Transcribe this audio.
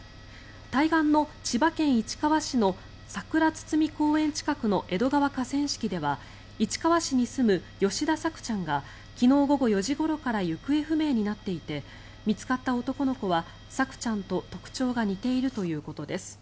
対岸の千葉県市川市のさくら堤公園近くの江戸川河川敷では市川市に住む吉田朔ちゃんが昨日午後４時ごろから行方不明になっていて見つかった男の子は朔ちゃんと特徴が似ているということです。